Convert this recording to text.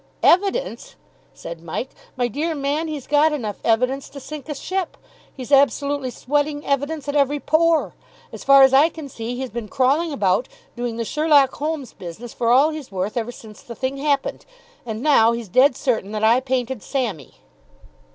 "Evidence!" said Mike, "My dear man, he's got enough evidence to sink a ship. He's absolutely sweating evidence at every pore. As far as I can see, he's been crawling about, doing the Sherlock Holmes business for all he's worth ever since the thing happened, and now he's dead certain that I painted Sammy."